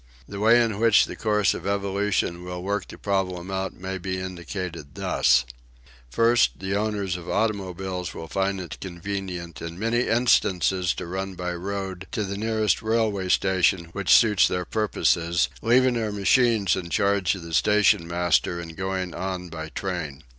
The way in which the course of evolution will work the problem out may be indicated thus: First, the owners of automobiles will find it convenient in many instances to run by road to the nearest railway station which suits their purposes, leaving their machines in charge of the stationmaster and going on by train.